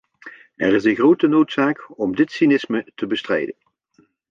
Er is een grote noodzaak om dit cynisme te bestrijden.